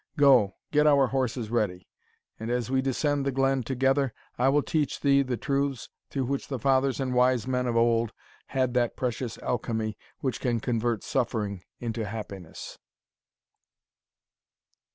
Go, get our horses ready, and, as we descend the glen together, I will teach thee the truths through which the fathers and wise men of old had that precious alchemy, which can convert suffering into happiness."